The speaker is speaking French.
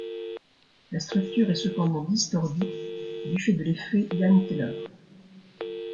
La structure est cependant distordue du fait de l'effet Jahn-Teller.